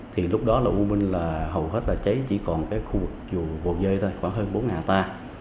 thì lúc đó là u minh hầu hết cháy chỉ còn khu vực chùa bồ dơi thôi khoảng hơn bốn ngà ta